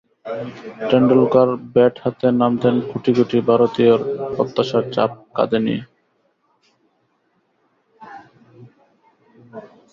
Tendulkar bat হাতে নামতেন কোটি কোটি ভারতীয়র প্রত্যাশার চাপ কাঁধে নিয়ে।